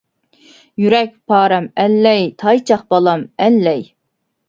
يۈرەك پارەم ئەللەي، تايچاق بالام ئەللەي.